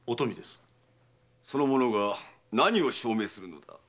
その者が何を証明するのだ？